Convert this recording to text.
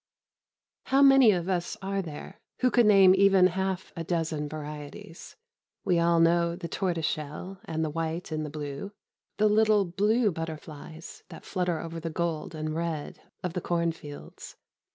How many of us are there who could name even half a dozen varieties? We all know the tortoiseshell and the white and the blue the little blue butterflies that flutter over the gold and red of the cornfields.